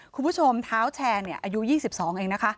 คุณผู้ชมเท้าแชร์อายุ๒๒เองนะคะ